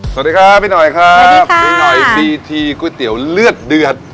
สวัสดีครับพี่หน่อยครับสวัสดีหน่อยบีทีก๋วยเตี๋ยวเลือดเดือด